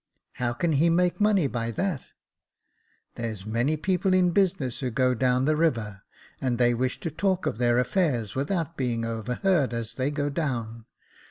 " How can he make money by that ?"" There's many people in business who go down the river, and they wish to talk of their affairs without being overheard as they go down.